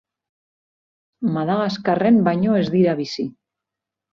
Madagaskarren baino ez dira bizi.